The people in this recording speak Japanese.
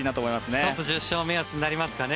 １つ、１０勝が目安になりますかね。